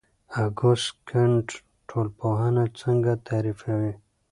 اګوست کُنت ټولنپوهنه څنګه تعریفوي؟